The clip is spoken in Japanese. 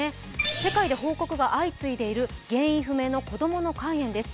世界で報告が相次いでいる原因不明の子供の肝炎です。